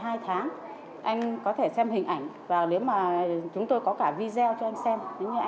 hay như thế nào thì chúng ta có cả video cho anh xem